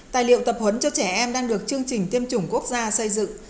tài liệu tập huấn cho trẻ em đang được chương trình tiêm chủng quốc gia xây dựng